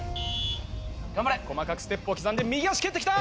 細かくステップを刻んで右足蹴ってきた！